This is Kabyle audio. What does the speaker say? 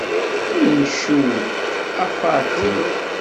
Incew, a Faaṭi!